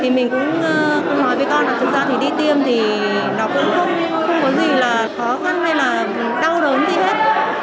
thì mình cũng nói với con là thực ra thì đi tiêm thì nó cũng không có gì là khó khăn hay là đau đớn gì hết